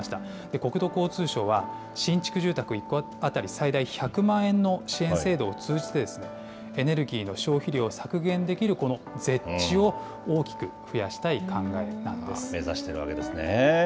国土交通省は、新築住宅１戸当たり最大１００万円の支援制度を通じて、エネルギーの消費量を削減できるゼッチを、大きく増やしたい考え目指してるわけですね。